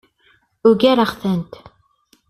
Ugareɣ-ten.